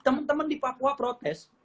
teman teman di papua protes